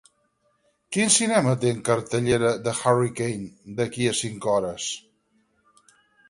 Quin cinema té en cartellera "The Hurricane" d'aquí a cinc hores